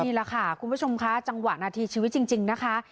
นี่แหละค่ะคุณผู้ชมค่ะจังหวะนาทีชีวิตจริงนะคะ